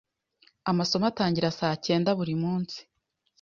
Amasomo atangira saa cyenda buri munsi.